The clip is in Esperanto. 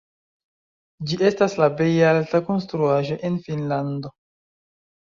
Ĝi estas la plej alta konstruaĵo en Finnlando.